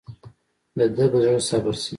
دده به زړه صبر شي.